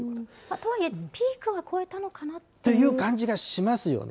とはいえ、ピークは越えたのかなと。っていう感じがしますよね。